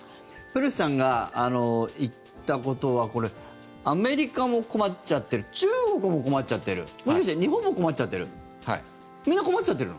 古市さんが言ったことはアメリカも困っちゃってる中国も困っちゃってるもしかして日本も困っちゃってるみんな困っちゃってる？